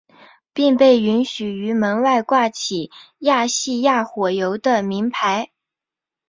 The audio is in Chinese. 并被允许于门外挂起亚细亚火油的铭牌。